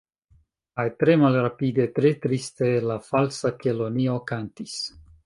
Kaj tre malrapide, tre triste la Falsa Kelonio kantis.